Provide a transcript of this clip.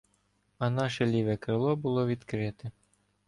А наше ліве крило було відкрите.